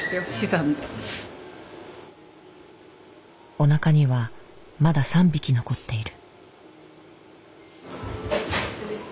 おなかにはまだ３匹残っている。